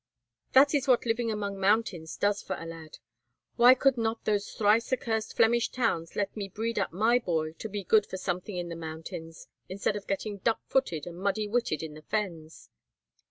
"That is what living among mountains does for a lad. Why could not those thrice accursed Flemish towns let me breed up my boy to be good for something in the mountains, instead of getting duck footed and muddy witted in the fens?"